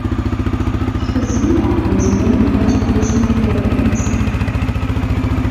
The zoo offers many educational programs.